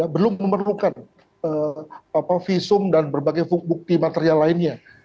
belum memerlukan visum dan berbagai bukti material lainnya